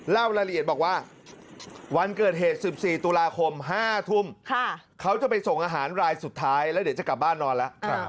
เล่ารายละเอียดบอกว่าวันเกิดเหตุ๑๔ตุลาคม๕ทุ่มเขาจะไปส่งอาหารรายสุดท้ายแล้วเดี๋ยวจะกลับบ้านนอนแล้ว